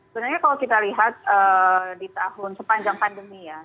sebenarnya kalau kita lihat di tahun sepanjang pandemi ya